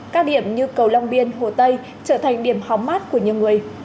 các điểm như cầu long biên hồ tây trở thành điểm hóm mát của nhiều người